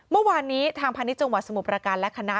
เมื่อวานนี้ทางพันธ์นิจจงหวัดสมุปราการและคณะ